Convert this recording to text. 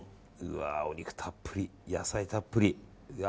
お肉たっぷり、野菜たっぷり。